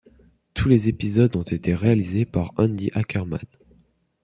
Tous les épisodes ont été réalisés par Andy Ackerman.